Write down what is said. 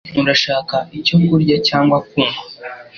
Urashaka icyo kurya cyangwa kunywa?